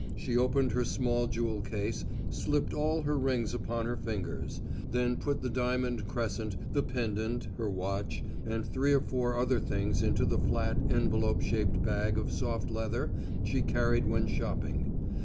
She opened her small jewel case, slipped all her rings upon her fingers; then put the diamond crescent, the pendant, her watch, and three or four other things into the flat, envelope shaped bag of soft leather she carried when shopping.